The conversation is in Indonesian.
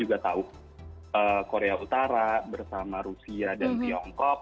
kita bisa melihat bahwa korea utara bersama rusia dan tiongkok